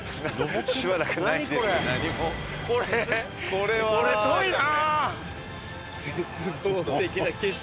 これこれ遠いな。